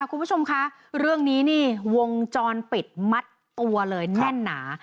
คุณผู้ชมคะเรื่องนี้นี่วงจรปิดมัดตัวเลยแน่นหนา